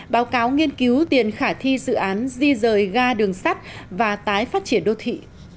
báo cáo nghiên cứu tiền khả thi dự án di rời ga đường sắt và tái phát triển đô thị